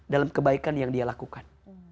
dalam kebaikan yang dia lakukan